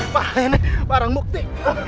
bahaya nih barang bukti